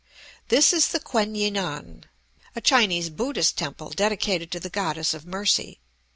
This is the Kum yam ngan, a Chinese Buddhist temple dedicated to the Goddess of Mercy.